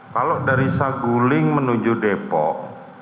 kalau dari saguling menuju depok